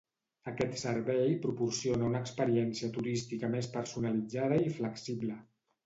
Aquest servei proporciona una experiència turística més personalitzada i flexible.